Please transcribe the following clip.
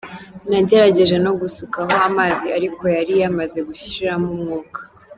Nagerageje no gusukaho amazi ariko yari yamaze gushiramo umwuka.